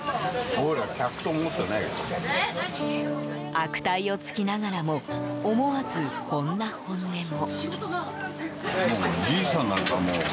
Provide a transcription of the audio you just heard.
悪態をつきながらも思わず、こんな本音も。